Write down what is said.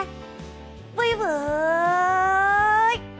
ブイブイ！